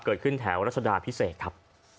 เกิดขึ้นแถวรัชดาพิเศษครับ